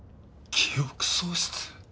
記憶喪失？